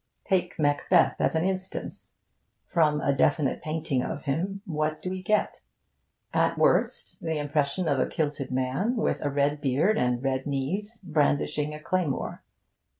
Take Macbeth as an instance. From a definite painting of him what do we get? At worst, the impression of a kilted man with a red beard and red knees, brandishing a claymore.